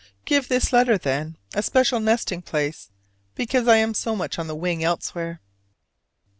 Give this letter, then, a special nesting place, because I am so much on the wing elsewhere.